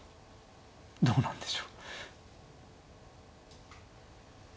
どうなんでしょう。